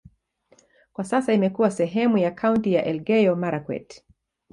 Kwa sasa imekuwa sehemu ya kaunti ya Elgeyo-Marakwet.